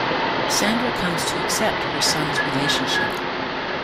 Sandra comes to accept her son's relationship.